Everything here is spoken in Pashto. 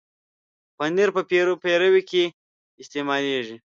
پنېر په پیروکي کې استعمالېږي.